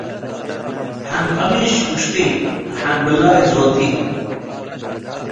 ሐን ቀሚሽ ውሽጢ፡ ሐን ብላይ ዞቲ።